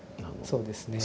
そうですね。